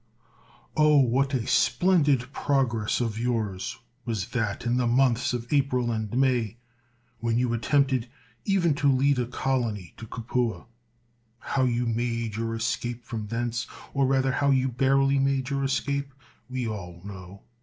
Oh, what a splendid progress of yours was that in the months of April and May, when you attempted even to lead a colony to Capua ! How you made your escape from thence, or rather how you barely made your escape, we all know.